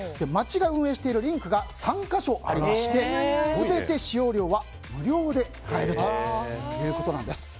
町が運営しているリンクが３か所ありまして全て使用料は無料で使えるということです。